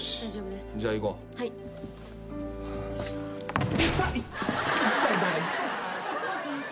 すいません。